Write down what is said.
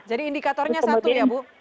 jadi indikatornya satu ya bu